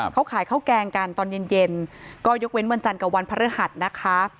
เขาขายเข้าแกงกันตอนเย็นเย็นก็ยกเว้นเมืองจันทร์กับวันพระฮัสนะคะ